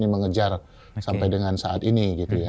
mengejar sampai dengan saat ini